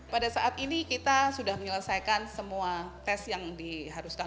pada saat ini kita sudah menyelesaikan semua tes yang diharuskan